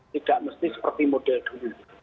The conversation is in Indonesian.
tidak mesti seperti model dulu